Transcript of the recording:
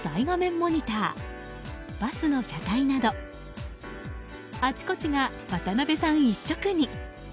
モニターバスの車体などあちこちが、渡辺さん一色に。